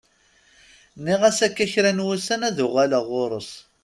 Nniɣ-as akka kra n wussan ad uɣaleɣ ɣur-s.